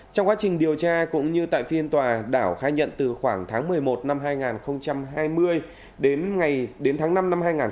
trong quá trình điều tra cũng như tại phiên tòa đảo khai nhận từ khoảng tháng một mươi một năm hai nghìn hai mươi đến ngày đến tháng năm năm hai nghìn hai mươi